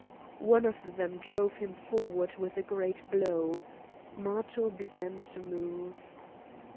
One of them drove him forward with a great blow; Matho began to move.